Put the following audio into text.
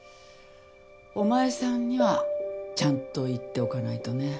お前さんにはちゃんと言っておかないとね。